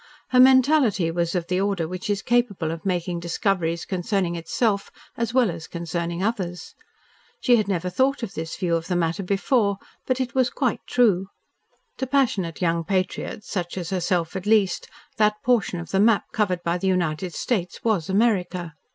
Her mentality was of the order which is capable of making discoveries concerning itself as well as concerning others. She had never thought of this view of the matter before, but it was quite true. To passionate young patriots such as herself at least, that portion of the map covered by the United States was America.